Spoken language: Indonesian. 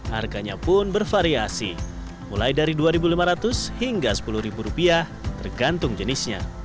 harganya pun bervariasi mulai dari rp dua lima ratus hingga rp sepuluh tergantung jenisnya